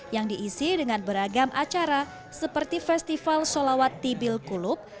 yang diisi dengan beragam acara seperti festival solawat tibil kulub